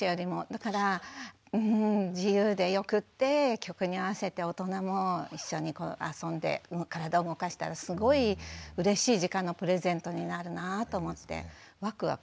だからうん自由でよくって曲に合わせて大人も一緒に遊んで体動かしたらすごいうれしい時間のプレゼントになるなと思ってワクワクしますね。